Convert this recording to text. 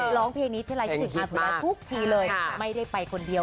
ร้องเพลงนี้ทีไรที่สิงหาสุนัขทุกทีเลยไม่ได้ไปคนเดียว